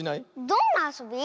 どんなあそび？